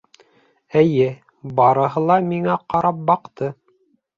Эйе, барыһы ла миңә ҡарап баҡты!